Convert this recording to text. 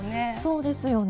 そうですよね。